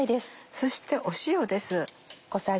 そして塩です。